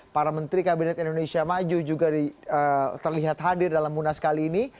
para menteri kabinet indonesia maju juga terlihat hadir dalam munas kali ini